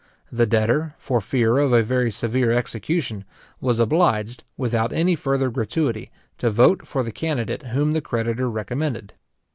The debtor, for fear of a very severe execution, was obliged, without any further gratuity, to vote for the candidate whom the creditor recommended.